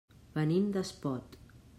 Venim d'Espot.